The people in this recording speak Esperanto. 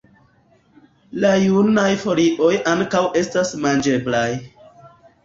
La junaj folioj ankaŭ estas manĝeblaj.